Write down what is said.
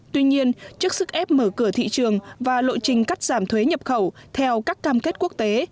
tuy nhiên trước sức ép mở cửa thị trường và lộ trình cắt giảm thuế nhập khẩu theo các cam kết quốc tế